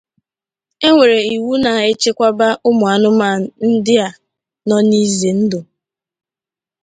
E nwere iwu na-echekwaba ụmụanụmanụ ndị a nọ n’izè ndụ.